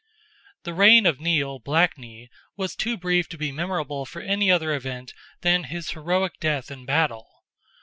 The reign of Nial Black Knee was too brief to be memorable for any other event than his heroic death in battle.